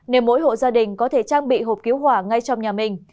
nên mỗi hộ gia đình có thể trang bị hộp cứu hỏa ngay trong nhà mình